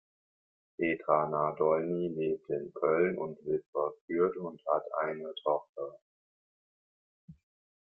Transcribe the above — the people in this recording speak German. Petra Nadolny lebt in Köln und Wipperfürth und hat eine Tochter.